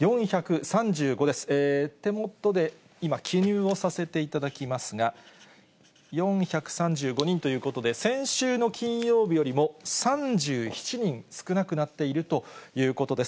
手元で今、記入をさせていただきますが、４３５人ということで、先週の金曜日よりも３７人少なくなっているということです。